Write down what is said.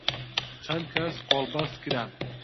چەند کەس قۆڵبەست کران